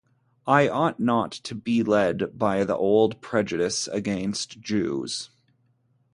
I ought not to be led by the old prejudice against Jews.